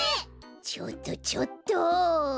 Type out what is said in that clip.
ちょっとちょっと！